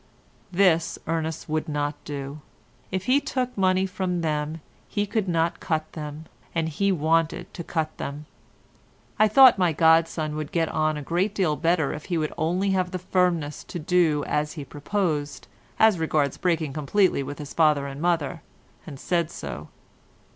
This Ernest would not do. If he took money from them, he could not cut them, and he wanted to cut them. I thought my godson would get on a great deal better if he would only have the firmness to do as he proposed, as regards breaking completely with his father and mother, and said so.